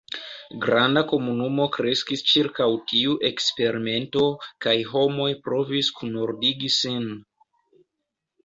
Granda komunumo kreskis ĉirkaŭ tiu eksperimento, kaj homoj provis kunordigi sin.